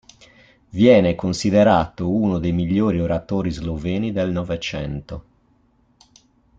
Viene considerato uno dei migliori oratori sloveni del Novecento.